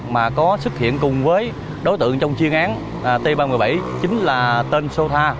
mà có xuất hiện cùng với đối tượng trong chuyên án t ba trăm một mươi bảy chính là tên soa